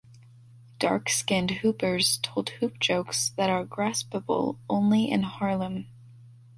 Dark-skinned hoopers told hoop jokes that are graspable only in Harlem.